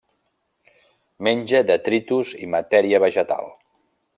Menja detritus i matèria vegetal.